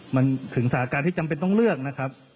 มันถึงสถานการณ์ที่จำเป็นต้องเลือกนะครับ